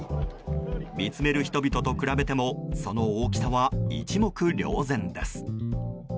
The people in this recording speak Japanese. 見つめる人々と比べてもその大きさは一目瞭然です。